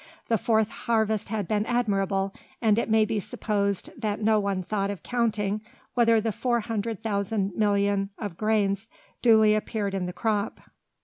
The fourth harvest had been admirable, and it may be supposed that no one thought of counting whether the four hundred thousand millions of grains duly appeared in the crop.